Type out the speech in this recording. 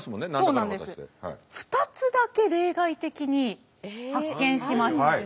２つだけ例外的に発見しまして。